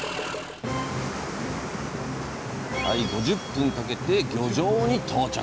５０分かけて漁場に到着。